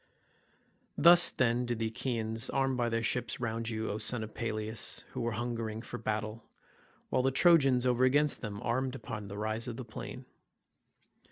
Thus, then, did the Achaeans arm by their ships round you, O son of Peleus, who were hungering for battle; while the Trojans over against them armed upon the rise of the plain.